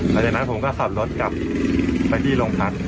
หลังจากนั้นผมก็ขับรถกลับไปที่โรงพัก